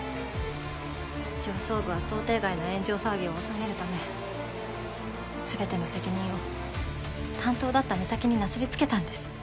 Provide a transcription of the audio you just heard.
上層部は想定外の炎上騒ぎを収めるため全ての責任を担当だった美咲になすりつけたんです。